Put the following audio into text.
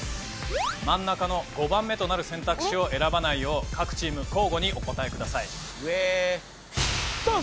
真ん中の５番目となる選択肢を選ばないよう各チーム交互にお答えくださいさあ